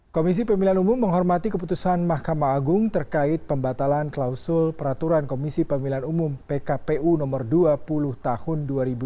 komisi pemilihan umum menghormati keputusan mahkamah agung terkait pembatalan klausul peraturan komisi pemilihan umum pkpu nomor dua puluh tahun dua ribu dua puluh